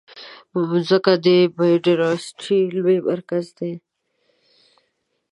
مځکه د بایوډایورسټي لوی مرکز دی.